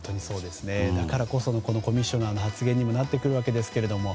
だからこそのコミッショナーの発言にもなってくるわけですけれども。